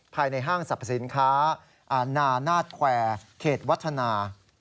ภายในห้างสรรพสินค้านานาศแควร์เขตวัฒนา